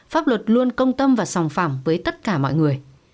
pháp luật luôn công tâm và sòng phẳng với tất cả mọi người